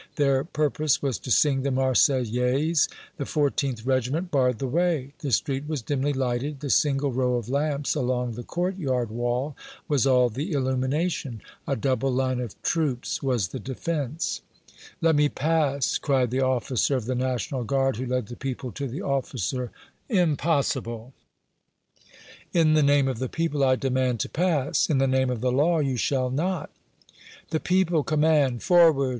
Their purpose was to sing the Marseillaise. The 14th Regiment barred the way the street was dimly lighted a single row of lamps along the courtyard wall was all the illumination a double line of troops was the defence. "Let me pass!" cried the officer of the National Guard who led the people to the officer who led the troops. "Impossible!" "In the name of the people, I demand to pass!" "In the name of the Law, you shall not!" "The people command! Forward!"